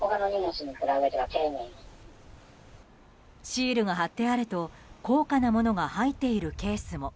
シールが貼ってあると高価なものが入っているケースも。